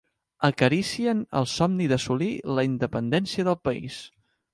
Acaricien el somni d'assolir la independència del país.